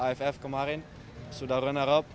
iff kemarin sudah runner up